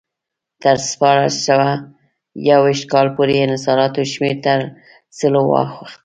تر شپاړس سوه یو ویشت کال پورې انحصاراتو شمېر تر سلو واوښت.